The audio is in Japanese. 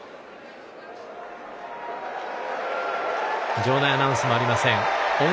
場内アナウンスもありません。